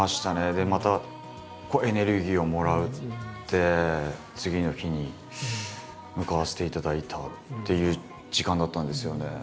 でまた濃いエネルギーをもらって次の日に向かわせていただいたっていう時間だったんですよね。